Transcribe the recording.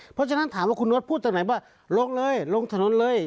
เพราะฉะนั้นถามว่าคุณนดพูดตอนไหนว่าลงเลยลงถนนเลย